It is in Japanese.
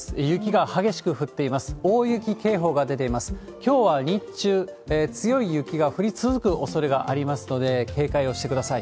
きょうは日中、強い雪が降り続くおそれがありますので、警戒をしてください。